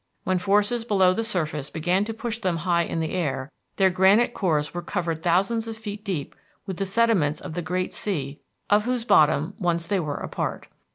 When forces below the surface began to push them high in air, their granite cores were covered thousands of feet deep with the sediments of the great sea of whose bottom once they were a part.